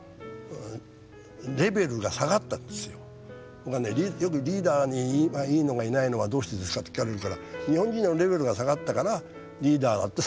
僕はよく「リーダーにいいのがいないのはどうしてですか？」って聞かれるから日本人のレベルが下がったからリーダーだって下がってるんですよ。